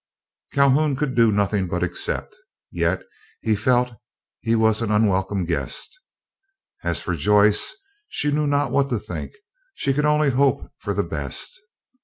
Calhoun could do nothing but accept, yet he felt he was an unwelcome guest. As for Joyce, she knew not what to think; she could only hope for the best.